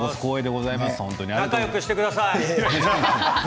仲よくしてください。